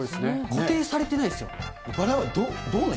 固定されてないですもん。